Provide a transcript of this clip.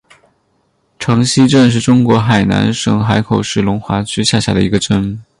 城西镇是中国海南省海口市龙华区下辖的一个镇。